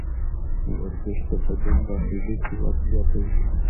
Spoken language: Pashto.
ورزش د بدن داخلي قوت زیاتوي.